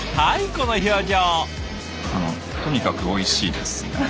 この表情。